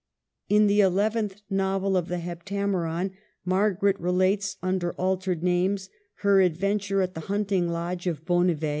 In the eleventh novel of the " Heptameron" Margaret relates, under altered names, her ad venture at the hunting lodge of Bonnivet.